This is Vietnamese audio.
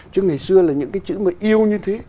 chứ ngày xưa là những cái chữ mà yêu như thế